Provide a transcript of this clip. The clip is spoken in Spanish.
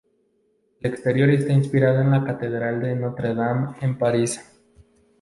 El exterior está inspirado en la Catedral de Notre Dame en París.